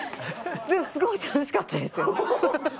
すごい楽しかったですよ。